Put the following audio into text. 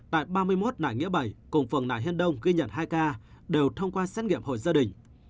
tại ba mươi một nải nghĩa bảy cùng phường nại hiên đông ghi nhận hai ca đều thông qua xét nghiệm hội gia đình